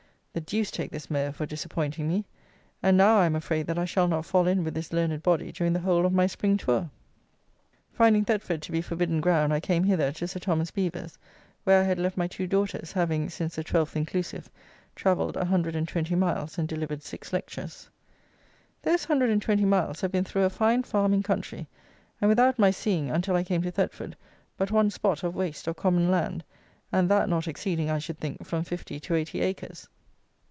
The deuce take this mayor for disappointing me; and, now, I am afraid that I shall not fall in with this learned body during the whole of my spring tour. Finding Thetford to be forbidden ground, I came hither to Sir Thomas Beevor's, where I had left my two daughters, having, since the 12th inclusive, travelled 120 miles, and delivered six lectures. Those 120 miles have been through a fine farming country, and without my seeing, until I came to Thetford, but one spot of waste or common land, and that not exceeding, I should think, from fifty to eighty acres.